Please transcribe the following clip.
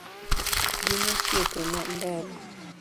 Gin osiepe mandalo